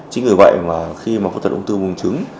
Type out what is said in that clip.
chính vì vậy mà khi mà phẫu thuật ung thư buồng trứng